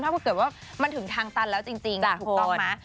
ถ้าเกิดว่ามันถึงทางตันแล้วจริงถูกต้องไหม